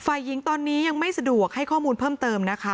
ฝ่ายหญิงตอนนี้ยังไม่สะดวกให้ข้อมูลเพิ่มเติมนะคะ